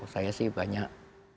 saya sih banyak